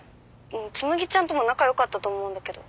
紬ちゃんとも仲良かったと思うんだけど。